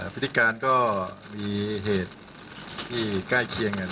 พฤติการก็มีเหตุที่ใกล้เคียง